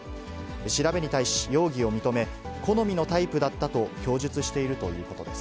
調べに対し、容疑を認め、好みのタイプだったと供述しているということです。